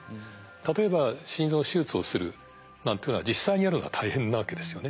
例えば心臓手術をするなんていうのは実際にやるのは大変なわけですよね。